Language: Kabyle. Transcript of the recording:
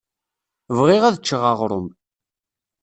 Bɣiɣ ad ččeɣ aɣṛum.